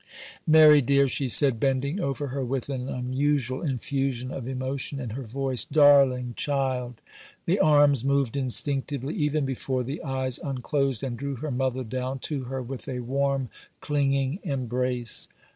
'Mary, dear,' she said, bending over her with an unusual infusion of emotion in her voice; 'darling child.' The arms moved instinctively, even before the eyes unclosed, and drew her mother down to her with a warm clinging embrace.